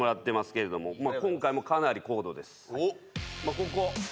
ここ。